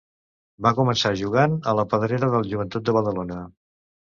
Va començar jugant a la pedrera del Joventut de Badalona.